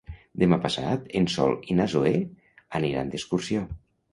Demà passat en Sol i na Zoè aniran d'excursió.